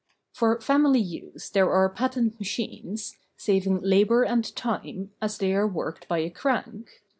For family use there are patent machines, saving labor and time, as they are worked by a crank.